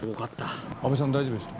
安部さん、大丈夫でした？